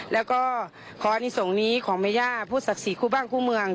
แล้วก็ขออนิสงส์นี้ของมาย่าผู้ศักดิ์สิทธิ์ครูบ้างครูเมือง